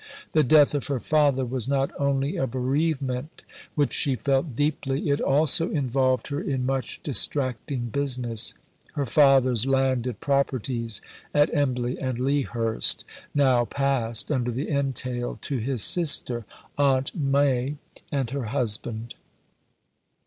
The death of her father was not only a bereavement which she felt deeply; it also involved her in much distracting business. Her father's landed properties, at Embley and Lea Hurst, now passed, under the entail, to his sister, "Aunt Mai," and her husband.